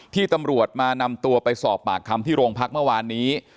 ที่ตำรวจมานำตัวไปสอบปากคำที่โรงพักเมื่อวานนี้